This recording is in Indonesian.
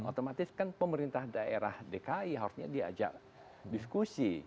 otomatis kan pemerintah daerah dki harusnya diajak diskusi